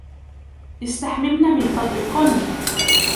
استحممن من فضلكن.